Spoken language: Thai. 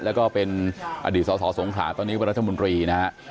แล้วก็เป็นอดีตสาวสงขาตอนนี้วันรัชมุนตรีนะฮะ